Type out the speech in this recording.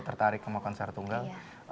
karena kita udah sama konser tunggal